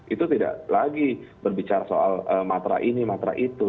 itu tidak lagi berbicara soal matra ini matra itu